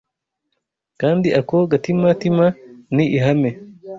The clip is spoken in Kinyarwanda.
kandi ako gatima tima ni ihame